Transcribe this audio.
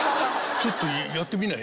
ちょっとやってみない？